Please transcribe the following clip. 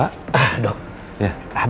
terima kasih bu